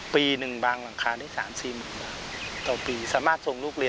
ปี๑บางล่างคา๓๔๐๐๐บาท